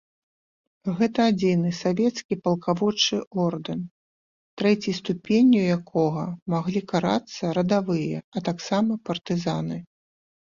Гэта адзіны савецкі палкаводчы ордэн, трэцяй ступенню якога маглі карацца радавыя, а таксама партызаны.